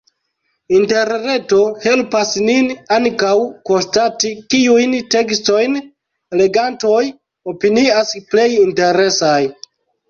Interreto helpas nin ankaŭ konstati, kiujn tekstojn legantoj opinias plej interesaj.